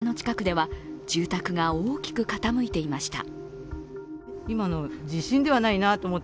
飯豊町の川の近くでは住宅が大きく傾いていました。